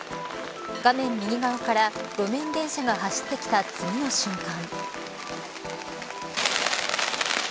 画面右側から路面電車が走ってきた次の瞬間。